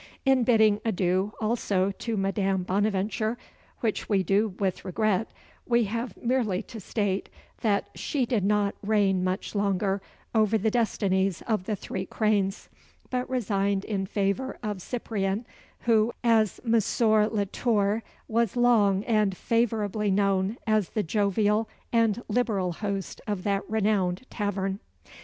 In bidding adieu, also, to Madame Bonaventure, which we do with regret, we have merely to state that she did not reign much longer over the destinies of the Three Cranes, but resigned in favour of Cyprien, who, as Monsieur Latour, was long and favourably known as the jovial and liberal host of that renowned tavern.